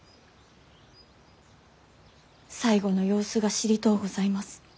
最期の様子が知りとうございます。